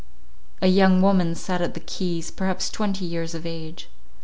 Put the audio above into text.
A young woman sat at the keys, perhaps twenty years of age.